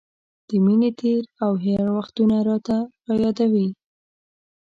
د مینې تېر او هېر وختونه راته را یادوي.